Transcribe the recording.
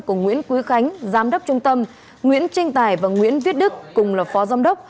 của nguyễn quý khánh giám đốc trung tâm nguyễn trinh tài và nguyễn viết đức cùng là phó giám đốc